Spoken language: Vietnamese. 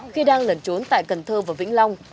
khi đang lẩn trốn tại cần thơ và vĩnh long